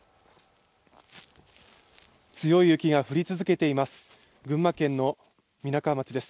強い雪が降り続けています。